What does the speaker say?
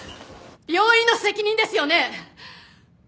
病院の責任ですよね！？